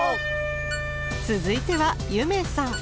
続いては夢さん。